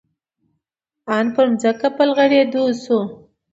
آن په ځمکه په لوغړېدو شو.